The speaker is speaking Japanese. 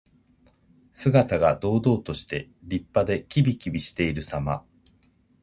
姿が堂々として、立派で、きびきびしているさま。